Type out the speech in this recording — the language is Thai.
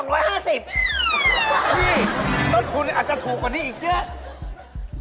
พี่ต้นทุนอาจจะถูกกว่านี้อีกเยอะ